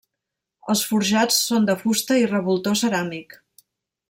Els forjats són de fusta i revoltó ceràmic.